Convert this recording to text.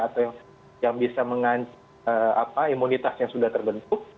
atau yang bisa mengancam imunitas yang sudah terbentuk